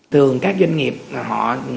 thường các doanh nghiệp họ